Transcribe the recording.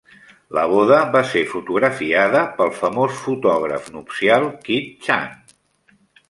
La boda va ser fotografiada pel famós fotògraf nupcial Kid Chan.